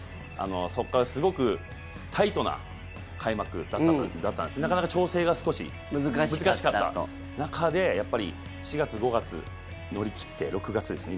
そこからすごくタイトな開幕だったんですなかなか調整が少し難しかった中でやっぱり４月、５月乗り切って６月ですね。